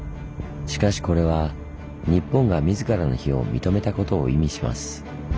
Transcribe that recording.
しかしこれは日本が自らの非を認めたことを意味します。